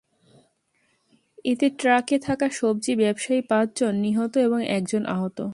এতে ট্রাকে থাকা সবজি ব্যবসায়ী পাঁচজন নিহত এবং একজন আহত হন।